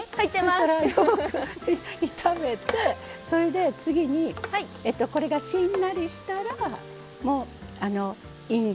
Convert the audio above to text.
そしたら炒めてそれで次にこれがしんなりしたらもうあのいんげん。